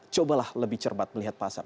cobalah lebih cermat melihat pasar